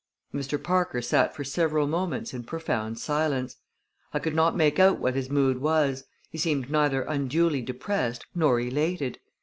Mr. Parker sat for several moments in profound silence. I could not make out what his mood was, He seemed neither unduly depressed nor elated.